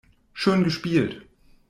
Schön gespielt.